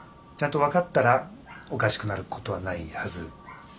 ちゃんと分かったらおかしくなることはないはず。